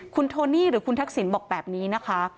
คุณโทนี่หรือคุณทักษิณบอกแบบนี้นะคะ